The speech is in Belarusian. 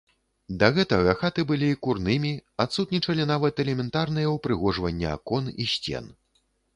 Да гэтага хаты былі курнымі, адсутнічалі нават элементарныя ўпрыгожванні акон і сцен.